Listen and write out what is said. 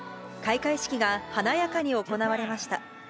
開会式が華やかに行われました。